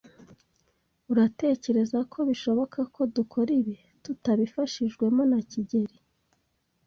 Uratekereza ko bizashoboka ko dukora ibi tutabifashijwemo na kigeli?